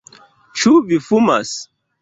Ĉu vi fumas?